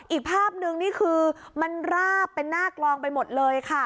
อีกภาพนึงนี่คือมันราบเป็นหน้ากลองไปหมดเลยค่ะ